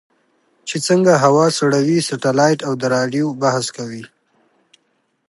چې څنګه هوا سړوي سټلایټ او د رادیو بحث کوي.